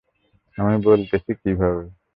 আমি বলতেছি কিভাবে।